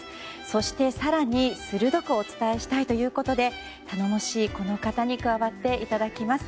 そして、更に鋭くお伝えしたいということで頼もしいこの方に加わっていただきます。